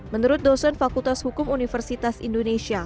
menurut dosen fakultas hukum universitas indonesia